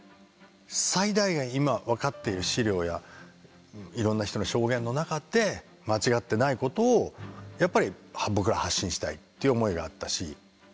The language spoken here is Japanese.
最大限今分かっている資料やいろんな人の証言の中で間違ってないことをやっぱり僕らは発信したいっていう思いがあったし。